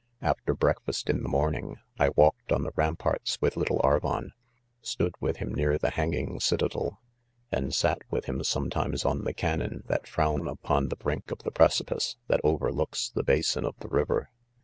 After breakfast in the morning, I walked on the, ramparts. with 'little Arvon ; stood with tirn ,n$ar the hanging citadel, and sat with him sometimes pn the cannon that frown upon the brink of the (precipice, that overlooks the ba ■spnpf the river.